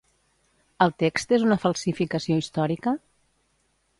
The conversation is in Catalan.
El text és una falsificació històrica?